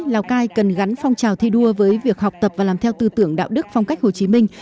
lào cai cần gắn phong trào thi đua với việc học tập và làm theo tư tưởng đạo đức phong cách hồ chí minh